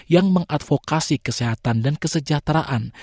yang mengadvokasi kesehatan dan kesejahteraan